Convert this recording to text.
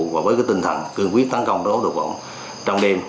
và với cái tinh thần cương quyết tăng công đối tượng trong đêm